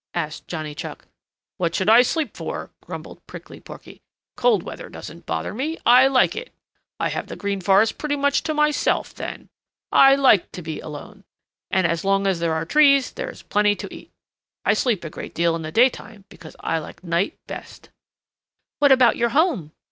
asked Johnny Chuck. "What should I sleep for?" grumbled Prickly Porky. "Cold weather doesn't bother me. I like it. I have the Green Forest pretty much to myself then. I like to be alone. And as long as there are trees, there is plenty to eat. I sleep a great deal in the daytime because I like night best." "What about your home?"